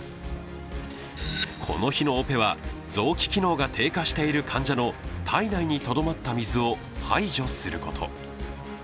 この日のオペは、臓器機能が低下している患者の体内にとどまった水を排除すること。